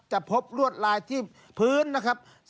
พบลวดลายที่พื้นนะครับ